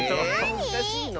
むずかしいの？